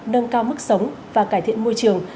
nâng cao mức sống và cải thiện môi trường